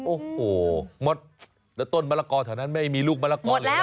โอ้โหหมดแล้วต้นมะละกอเท่านั้นไม่มีลูกมะละกอเหลือแล้วครับ